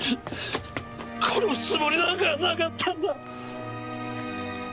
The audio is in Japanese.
殺すつもりなんかなかったんだ！